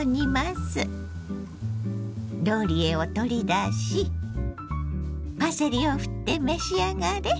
ローリエを取り出しパセリをふって召し上がれ。